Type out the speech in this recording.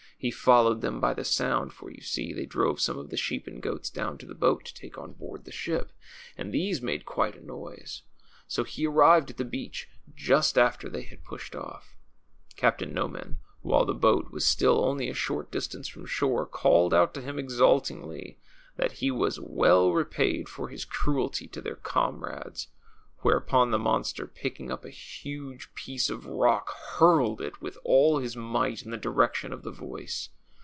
He followed them by the sound, for, you see, they drove some of the sheep and goats down to the boat to take on board ship, and these made quite a noise ; so he arrived at the beach just after they had pushed off. Captain Noman, while the boat was still only a sliort distance from shore, called out to him exultantly that he was well repaid for his cruelty to their comrades ; whereupon the monster, picking up a huge piece of rock, hurled it with all his might in the direction of the voice.